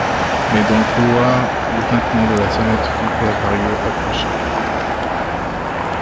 Mais, dans le couloir, le tintement de la sonnette du père Barillot approchait.